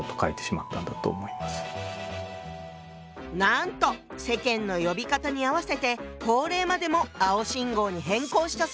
なんと世間の呼び方に合わせて法令までも「青信号」に変更したそうよ。